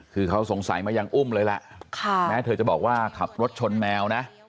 คือเขาสงสัยมายังอุ้มเลยแหละแม้เธอจะบอกว่าขับรถชนแมวนะ